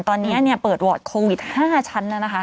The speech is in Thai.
ตอนนี้เปิดวอร์ดโควิด๕ชั้นแล้วนะคะ